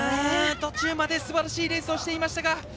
途中まですばらしいレースをしていましたが。